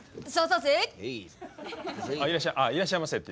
あっ「いらっしゃいませ」って？